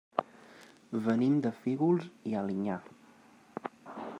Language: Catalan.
Venim de Fígols i Alinyà.